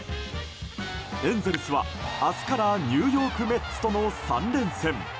エンゼルスは明日からニューヨーク・メッツとの３連戦。